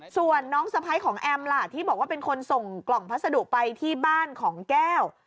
ส่วนน้องสะพ้ายของแอมล่ะที่บอกว่าเป็นคนส่งกล่องพัสดุไปที่บ้านของแก้ว